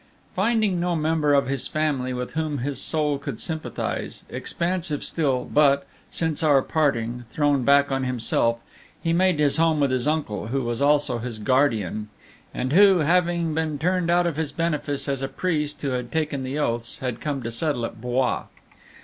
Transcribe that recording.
Finding no member of his family with whom his soul could sympathize, expansive still, but, since our parting, thrown back on himself, he made his home with his uncle, who was also his guardian, and who, having been turned out of his benefice as a priest who had taken the oaths, had come to settle at Blois.